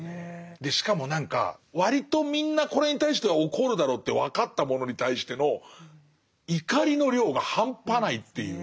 でしかも何か割とみんなこれに対しては怒るだろうって分かったものに対しての怒りの量が半端ないっていう。